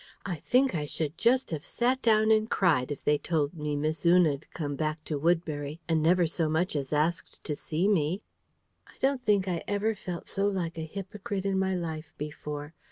I think I should just have sat down and cried if they told me Miss Una'd come back to Woodbury, and never so much as asked to see me." I don't think I ever felt so like a hypocrite in my life before.